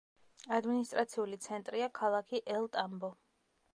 ადმინისტრაციული ცენტრია ქალაქი ელ-ტამბო.